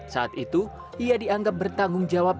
saat itu ia dianggap bertanggung jawab